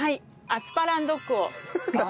アスパランドッグを作ります。